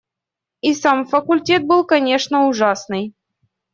И сам факультет был, конечно, ужасный.